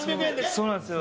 そうなんですよ。